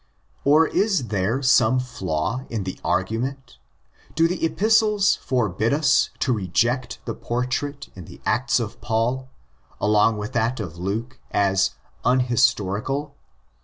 Or is there some. flaw in the argument? Do the Epistles forbid us to reject the portrait in the Acts of Paul, along with that of Luke, as unhistorical?